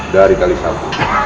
dari tali satu